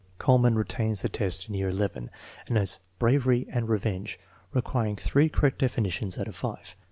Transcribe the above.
Kuhlmann retains the test in year XI and adds bravery and revenge, requiring three correct definitions out of five.